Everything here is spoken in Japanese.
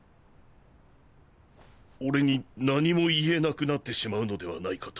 俺に何も言えなくなってしまうのではないかと。